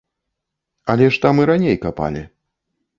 Але ж там і раней капалі.